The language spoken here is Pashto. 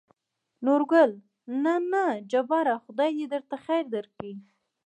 نورګل: نه نه جباره خداى د درته خېر درکړي.